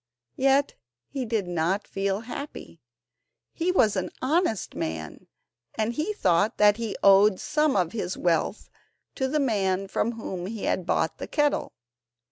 Yet he did not feel happy. He was an honest man, and he thought that he owed some of his wealth to the man from whom he had bought the kettle.